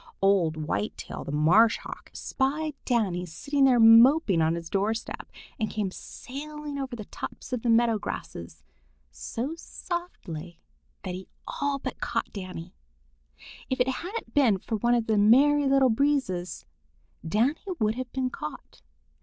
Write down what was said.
Old Whitetail the Marsh Hawk, spied Danny sitting there moping on his door step, and came sailing over the tops of the meadow grasses so softly that he all but caught Danny. If it hadn't been for one of the Merry Little Breezes, Danny would have been caught.